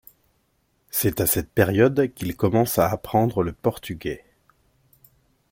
C'est à cette période qu'il commence à apprendre le portugais.